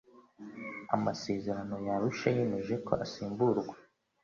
amasezerano ya arushayemeje ko asimburwa